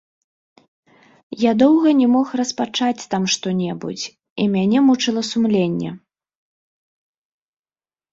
Я доўга не мог распачаць там што-небудзь, і мяне мучыла сумленне.